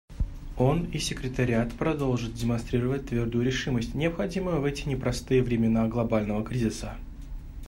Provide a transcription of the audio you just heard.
Он и Секретариат продолжают демонстрировать твердую решимость, необходимую в эти непростые времена глобального кризиса.